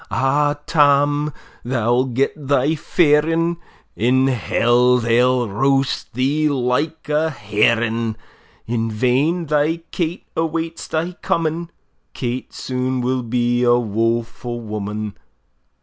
Ah, Tam! thou'll get thy fairin! In hell they'll roast thee like a herrin! In vain thy Kate awaits thy coming! Kate soon will be a woefu' woman!